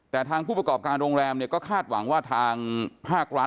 แต่ทางผู้ประกอบการโรงแรมเนี่ยก็คาดหวังว่าทางภาครัฐ